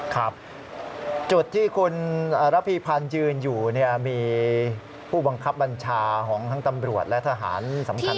ครับจุดที่คุณระพีพันธ์ยืนอยู่มีผู้บังคับบัญชาของทั้งตำรวจและทหารสำคัญ